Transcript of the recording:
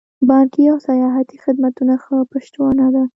بانکي او سیاحتي خدمتونه ښه پشتوانه ده.